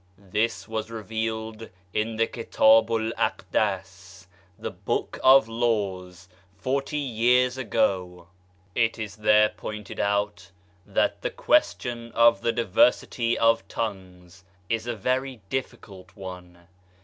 This was revealed in the Kitab el Akdas (The Book of Laws) forty years ago. It is there pointed out that the question of diversity of tongues is a very difficult one.